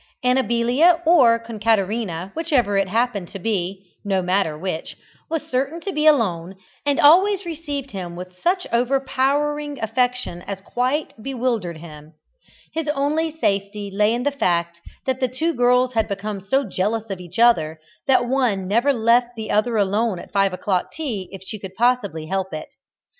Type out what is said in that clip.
Amabilia or Concaterina, whichever it happened to be no matter which was certain to be alone, and always received him with such overpowering affection as quite bewildered him. His only safety lay in the fact that the two girls had become so jealous of each other, that one never left the other alone at five o'clock tea if she could possibly help it.